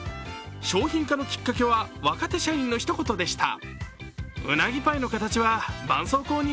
商品化のきっかけは若手社員のひと言でした。